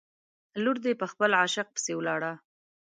لور دې په خپل عاشق پسې ولاړه.